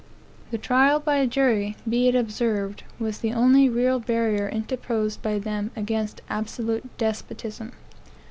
The trial by jury, be it observed, was the only real barrier interposed by them against absolute despotism.